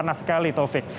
panas sekali taufik